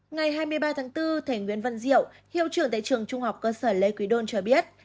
ngày hai mươi ba tháng bốn thầy nguyễn văn diệu hiệu trưởng tại trường trung học cơ sở lê quý đôn cho biết